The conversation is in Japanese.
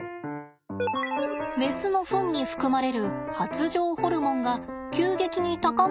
メスのフンに含まれる発情ホルモンが急激に高まる日があります。